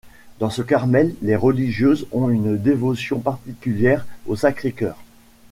Dans ce Carmel, les religieuses ont une dévotion particulière au Sacré-Cœur.